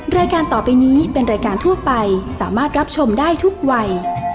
รายการต่อไปนี้เป็นรายการทั่วไปสามารถรับชมได้ทุกวัย